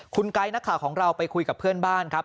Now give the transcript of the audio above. คุณไก๊นักข่าวของเราไปคุยกับเพื่อนบ้านครับ